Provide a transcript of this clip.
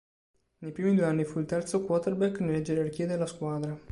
Nei primi due anni fu il terzo quarterback nelle gerarchie della squadra.